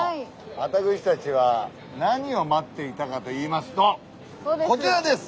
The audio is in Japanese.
私たちは何を待っていたかといいますとこちらです。